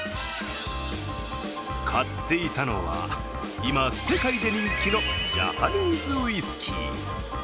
買っていたのは今、世界で人気のジャパニーズウイスキー。